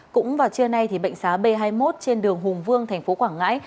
cũng vào trưa nay bệnh xá b hai mươi một trên đường hùng vương tp quảng ngãi